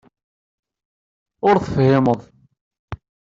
Ur tefhimeḍ.